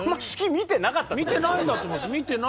見てないんだと思います。